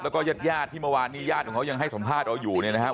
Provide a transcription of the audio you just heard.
แล้วก็ญาติญาติที่เมื่อวานนี้ญาติของเขายังให้สัมภาษณ์เราอยู่เนี่ยนะครับ